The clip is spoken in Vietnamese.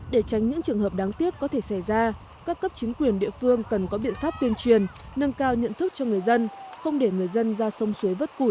để tránh những trường hợp đáng tiếc có thể xảy ra các cấp chính quyền địa phương cần có biện pháp tuyên truyền nâng cao nhận thức cho người dân không để người dân ra sông suối vất củi khi có lũ đổ về